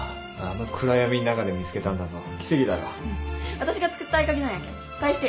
あたしが作った合鍵なんやけん返してよ。